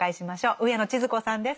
上野千鶴子さんです。